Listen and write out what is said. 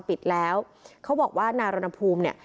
ปิดแล้วเขาบอกว่านารณภูมิเนี่ย